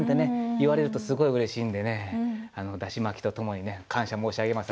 言われるとすごいうれしいんでねだし巻きとともにね感謝申し上げます。